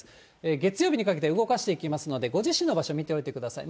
月曜日にかけて動かしていきますので、ご自身の場所、見ておいてください。